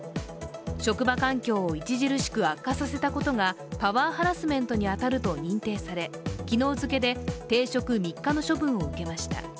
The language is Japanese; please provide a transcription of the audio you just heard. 職場環境を著しく悪化させたことがパワーハラスメントに当たると認定され、昨日付で停職３日の処分を受けました。